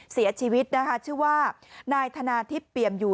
เสียชีวิตนะคะชื่อว่านายธนาทิพย์เปี่ยมอยู่